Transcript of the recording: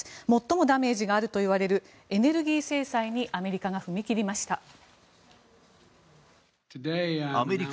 最もダメージがあるといわれるエネルギー制裁にアメリカが踏み切りました。